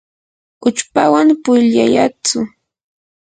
uchpawan pukllayaytsu.